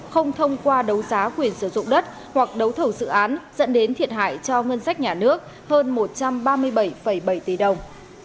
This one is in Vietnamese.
không thông qua đấu giá quyền sử dụng đất hoặc đấu thầu dự án dẫn đến thiệt hại cho ngân sách nhà nước hơn một trăm ba mươi bảy bảy tỷ đồng